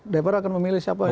dpr akan memilih siapa